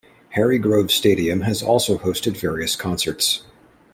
Harry Grove Stadium has also hosted various concerts.